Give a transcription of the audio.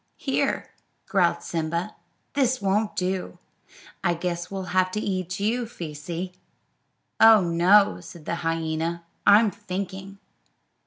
"Here," growled Simba, "this won't do; I guess we'll have to eat you, Feesee." "Oh, no," said the hyena; "I'm thinking."